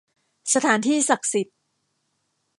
สถานที่ศักดิ์สิทธิ์